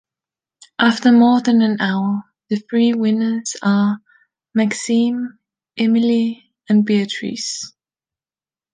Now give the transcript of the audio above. After more than an hour, the three winners are Maxime, Emilie, and Beatrice.